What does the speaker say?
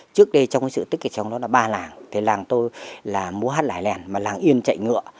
trước đây trong sự tích kịch trong đó là ba làng làng tôi là mô hát lải lèn làng yên chạy ngựa